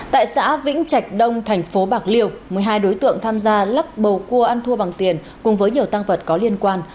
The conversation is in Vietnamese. tại xã vĩnh trạch đông thành phố bạc liêu một mươi hai đối tượng tham gia lắc bầu cua ăn thua bằng tiền cùng với nhiều tăng vật có liên quan